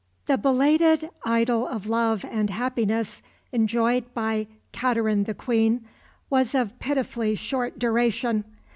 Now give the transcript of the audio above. The belated idyll of love and happiness enjoyed by "Kateryn the Quene" was of pitifully short duration.